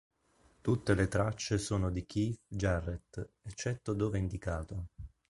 Tutte le tracce sono di Keith Jarrett, eccetto dove indicato.